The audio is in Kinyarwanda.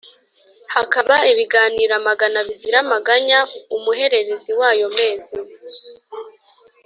Hakaba ibiganiro amagana bizira amaganya Umuhererezi wayo mezi